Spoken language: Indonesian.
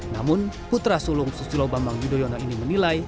namun putra sulung susilo bambang yudhoyono ini menilai